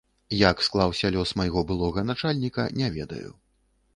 Як склаўся лёс майго былога начальніка, не ведаю.